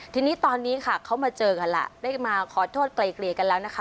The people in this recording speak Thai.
ทีนี้ตอนนี้ค่ะเขามาเจอกันล่ะได้มาขอโทษไกลเกลี่ยกันแล้วนะคะ